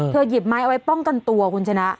หยิบไม้เอาไว้ป้องกันตัวคุณชนะ